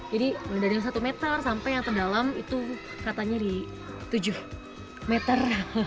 jadi dari yang satu meter sampai yang terdalam itu ratanya di tujuh meter